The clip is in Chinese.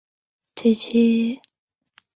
他的妻子杨氏是北魏官员杨俭的女儿。